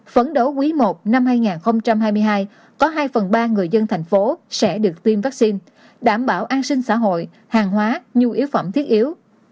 phấn đấu quý i năm hai nghìn hai mươi hai có hai phần ba người dân thành phố sẽ được tiêm vaccine đảm bảo an sinh xã hội hàng hóa nhu yếu phẩm thiết yếu